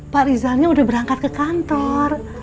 pak rizalnya udah berangkat ke kantor